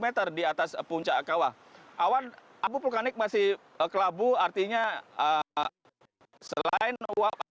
bisa mencapai tiga ribu m di atas puncak kawah awan abu vulkanik masih kelabu artinya selain wap